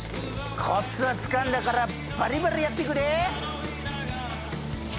コツはつかんだからバリバリやってくで！